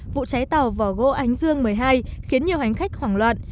vụ cháy tàu vỏ gỗ ánh dương một mươi hai khiến nhiều hành khách hoảng loạn